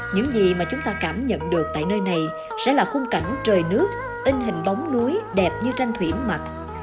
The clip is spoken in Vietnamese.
những gì mà chúng ta cảm nhận được tại nơi này sẽ là khung cảnh trời nước in hình bóng núi đẹp như tranh thủy mặt